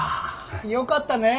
よかったねえ。